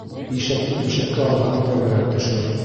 Ишәкте түшәккә һалһаң, тәгәрәп төшөр.